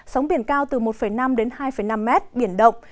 sóng biển cao từ một năm đến hai năm mét biển động